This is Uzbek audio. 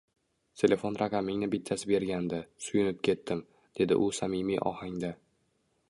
Telefon raqamingni bittasi bergandi, suyunib ketdim, dedi u samimiy ohangda